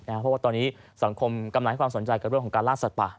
เพราะว่าตอนนี้สังคมกำลังให้ความสนใจกับเรื่องของการล่าสัตว์ป่า